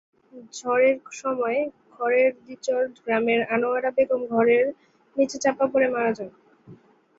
ঝড়ের সময় খরেদিচর গ্রামের আনোয়ারা বেগম ঘরের নিচে চাপা পড়ে মারা যান।